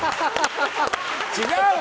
違うわ！